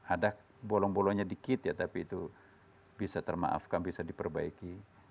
ada bolong bolongnya dikit ya tapi itu bisa termaafkan bisa diperbaiki